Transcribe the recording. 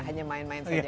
ya hanya main main saja